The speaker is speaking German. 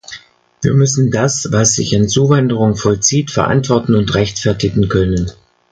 Wir müssen das, was sich an Zuwanderung vollzieht, verantworten und rechtfertigen können.